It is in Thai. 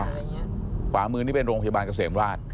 สว่ามือนี่เป็นโรงพยาบาลกระเสมราช